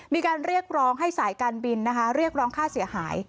มีการเรียกร้องให้สายการบินนะคะเรียกร้องค่าเสียหาย